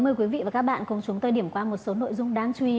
mời quý vị và các bạn cùng chúng tôi điểm qua một số nội dung đáng chú ý